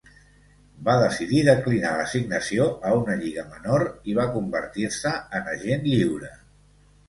Va decidir declinar l'assignació a una lliga menor i va convertir-se en agent lliure.